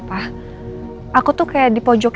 aku sendiri pak